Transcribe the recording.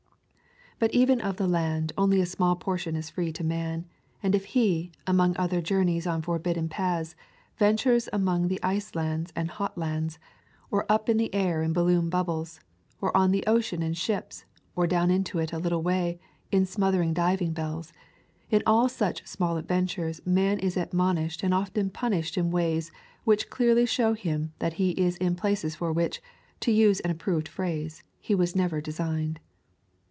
But even of the land only a small portion is free to man, and if he, among other journeys on forbidden paths, ventures among the ice lands and hot lands, or up in the air in balloon bubbles, or on the ocean in ships, or down into it a little way in smothering diving bells — in all such small adventures man is admonished and often punished in ways which clearly show him that he is in places for which, to use an approved phrase, he was never designed.